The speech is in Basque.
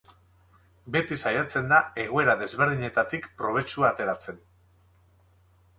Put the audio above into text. Beti saiatzen da egoera desberdinetatik probetxua ateratzen.